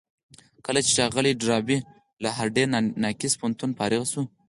کله چې ښاغلی ډاربي له هارډ ناکس پوهنتونه فارغ شو.